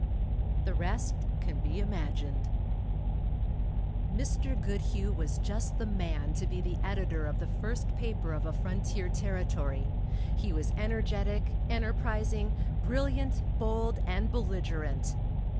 The rest can be imagined. Mr. Goodhue was just the man to be the editor of the first paper of a frontier territory. He was energetic, enterprising, brilliant, bold and belligerent.